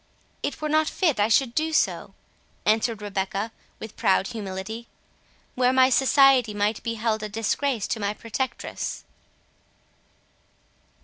"It were not fit I should do so," answered Rebecca, with proud humility, "where my society might be held a disgrace to my protectress."